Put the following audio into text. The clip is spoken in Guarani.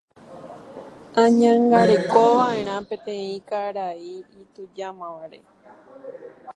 Añangarekova'erã peteĩ karai itujámavare.